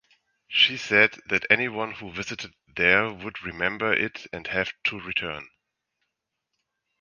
She said that anyone who visited there would remember it and have to return.